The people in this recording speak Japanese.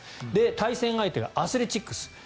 対戦相手がアスレチックス。